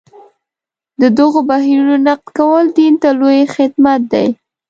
د دغو بهیرونو نقد کول دین ته لوی خدمت دی.